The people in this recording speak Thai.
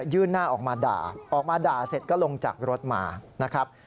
หน้าออกมาด่าออกมาด่าเสร็จก็ลงจากรถมานะครับ